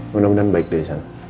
mudah mudahan baik disana